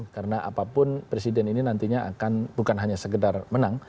karena apapun presiden ini nantinya akan bukan hanya segedar menang